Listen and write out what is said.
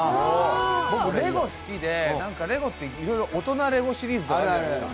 僕レゴ好きでレゴって大人レゴシリーズとかあるじゃないですか。